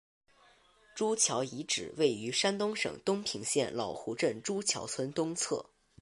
朱桥遗址位于山东省东平县老湖镇朱桥村东侧。